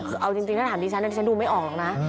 คือเอาจริงถ้าถามดิฉันฉันดูไม่ออกหรอกนะ